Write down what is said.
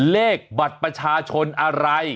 เลขบัตรประชาชนอะไร